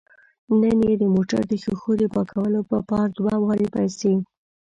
نن یې د موټر د ښیښو د پاکولو په پار دوه واره پیسې